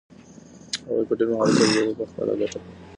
هغوی په ډېر مهارت سره لوبه په خپله ګټه کړه.